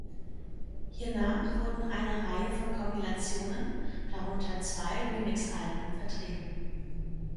Hiernach wurden eine Reihe von Kompilationen, darunter zwei Remixalben, vertrieben.